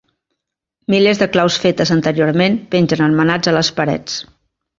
Milers de claus fetes anteriorment pengen en manats a les parets.